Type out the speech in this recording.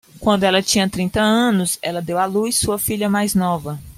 Quando ela tinha trinta anos, ela deu à luz sua filha mais nova.